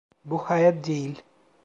Bu hayat değil.